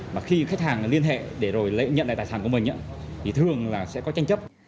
mà khi khách hàng liên hệ để rồi nhận lại tài sản của mình thì thường là sẽ có tranh chấp